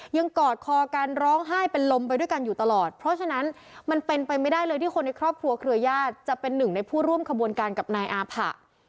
กอดคอกันร้องไห้เป็นลมไปด้วยกันอยู่ตลอดเพราะฉะนั้นมันเป็นไปไม่ได้เลยที่คนในครอบครัวเครือญาติจะเป็นหนึ่งในผู้ร่วมขบวนการกับนายอาผะ